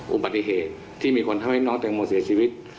อุบัติเหตุที่มีคนทำให้น้องแตงโมเสียชีวิต